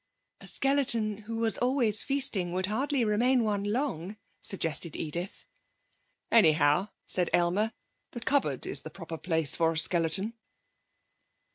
'A skeleton who was always feasting would hardly remain one long,' suggested Edith. 'Anyhow,' said Aylmer, 'the cupboard is the proper place for a skeleton.'